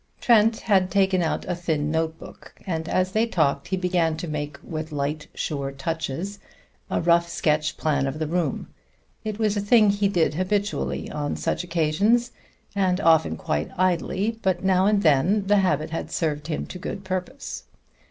Trent had taken out a thin notebook, and as they talked he began to make, with light, sure touches, a rough sketch plan of the room. It was a thing he did habitually on such occasions, and often quite idly, but now and then the habit had served him to good purpose.